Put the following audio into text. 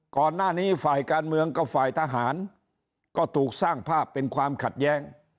ก่อนหน้านี้ฝ่ายการเมืองกับฝ่ายทหารก็ถูกสร้างภาพเป็นความขัดแย้ง